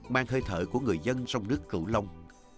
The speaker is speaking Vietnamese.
mang hơi thở của người dân sông nước cửu long